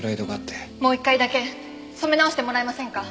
もう一回だけ染め直してもらえませんか？